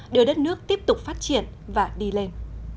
đưa đất nước tiếp tục phát triển và đi lên